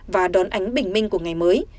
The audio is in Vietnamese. và đón ánh bình minh của ngày mới